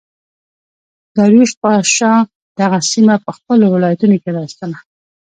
داریوش پاچا دا سیمه په خپلو ولایتونو کې راوستله